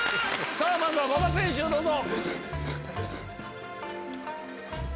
まずは馬場選手どうぞ。